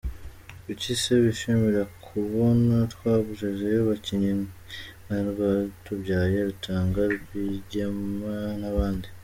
Kuki se bishimira kubona twaguzeyo abakinnyi nka Rwatubyaye, Rutanga, Rwigema n’abandi?”.